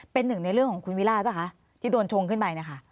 เป็นหนึ่งในเรื่องของคุณวิราชป่ะคะที่โดนชงขึ้นไปนะคะ